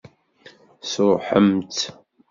Tesṛuḥem-tt?